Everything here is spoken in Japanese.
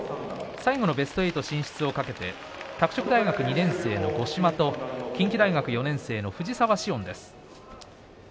最後のベスト８進出をかけて拓殖大学２年生の五島と近畿大学４年生の藤澤詩音です。